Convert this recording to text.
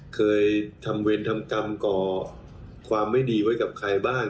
เคยทำเวรทำกรรมก่อความไม่ดีไว้กับใครบ้าง